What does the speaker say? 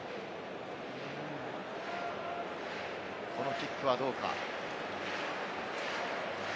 このキックはどうか？